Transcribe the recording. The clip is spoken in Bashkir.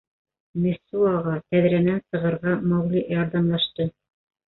Мессуаға тәҙрәнән сығырға Маугли ярҙамлашты.